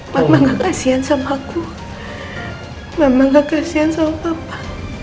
memang kasihan sama aku memang kasihan sama papa